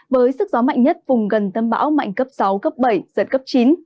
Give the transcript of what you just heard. với sức gió mạnh nhất vùng gần tâm bão mạnh cấp sáu cấp bảy giật cấp chín